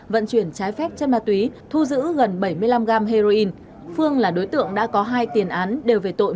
vận chuyển trái phép chất ma túy thu giữ gần bảy mươi năm gram heroin phương là đối tượng đã có hai tiền án đều về tội phạm